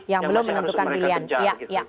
yang masih harus mereka kejar